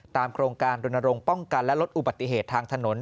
โครงการรณรงค์ป้องกันและลดอุบัติเหตุทางถนน